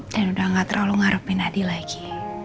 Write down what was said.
dan udah gak terlalu ngarepin adi lagi